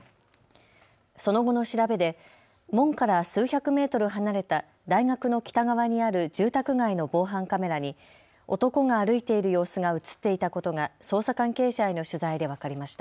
その後の調べで門から数百メートル離れた大学の北側にある住宅街の防犯カメラに男が歩いている様子が写っていたことが捜査関係者への取材で分かりました。